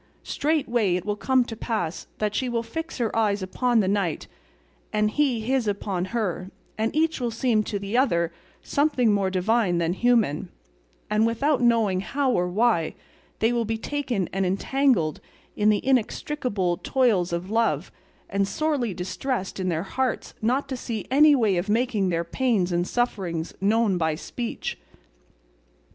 Straightway it will come to pass that she will fix her eyes upon the knight and he his upon her, and each will seem to the other something more divine than human, and, without knowing how or why they will be taken and entangled in the inextricable toils of love, and sorely distressed in their hearts not to see any way of making their pains and sufferings known by speech.